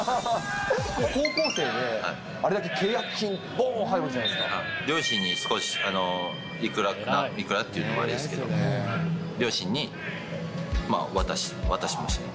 高校生で、あれだけ契約金、両親に少し、いくらか、いくらっていうのもあれですけど、両親に渡しましたね。